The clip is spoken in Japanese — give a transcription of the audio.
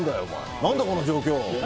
何だこの状況！